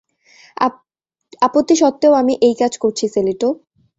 আপত্তি সত্ত্বেও আমি এই কাজ করছি, সেলিটো।